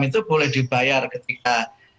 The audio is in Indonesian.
itu boleh dibayar ketika